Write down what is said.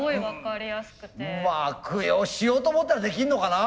悪用しようと思ったらできんのかな？